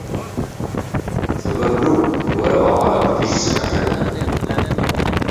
Ҵабыргыуп, уара уаҟара кәҭыжь зфахьада!